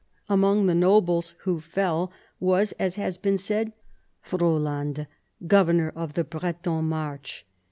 Among the nobles who fell was, as has been said, Hruodland, governor of the Breton March.